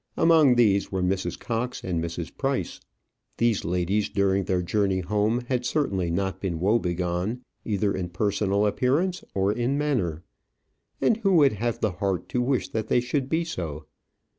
Among these were Mrs. Cox and Mrs. Price. These ladies during their journey home had certainly not been woe begone, either in personal appearance or in manner. And who would have the heart to wish that they should be so?